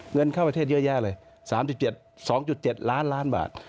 เงินเข้าประเทศเยอะแยะเลย๓๗๒๗ล้านล้านบาท